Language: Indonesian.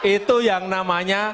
itu yang namanya